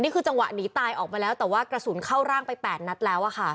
จังหวะหนีตายออกมาแล้วแต่ว่ากระสุนเข้าร่างไป๘นัดแล้วอะค่ะ